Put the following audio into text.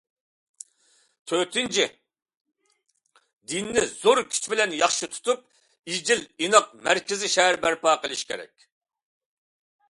تۆتىنچى، دىننى زور كۈچ بىلەن ياخشى تۇتۇپ، ئېجىل- ئىناق مەركىزىي شەھەر بەرپا قىلىش كېرەك.